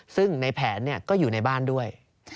ซึ่งในแผนก็อยู่ในบ้านด้วย